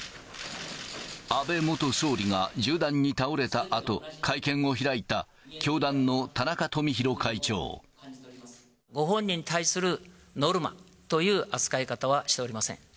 安倍元総理が銃弾に倒れたあと、会見を開いた、ご本人に対するノルマという扱い方はしておりません。